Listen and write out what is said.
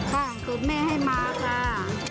ร้านสูตรแม่ให้มาค่ะ